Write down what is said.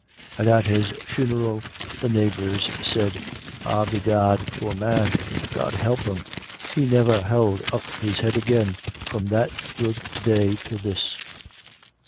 And at his funeral the neighbors said, "Ah, bedad, poor man, God help him, he niver held up his head agin from that good day to this."